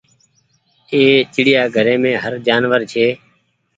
اي چڙيا گهريم هر جآنور ڇي۔